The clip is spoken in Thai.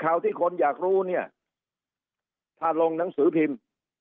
ข่าวที่คนอยากรู้เนี่ยถ้าลงหนังสือพิมพ์